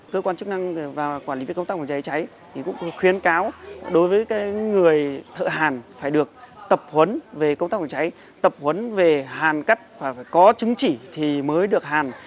cơ quan chức năng và quản lý công tác của cháy cháy thì cũng khuyên cáo đối với cái người thợ hàn phải được tập huấn về công tác của cháy tập huấn về hàn cắt và phải có chứng chỉ thì mới được hàn